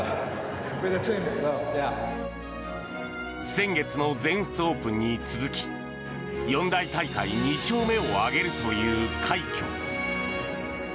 先月の全仏オープンに続き四大大会２勝目を挙げるという快挙。